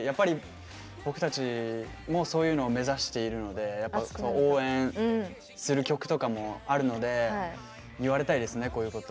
僕たちもそういうのを目指しているので応援する曲とかもあるので言われたいですね、こういうの。